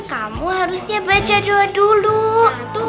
kamu harusnya baca doa dulu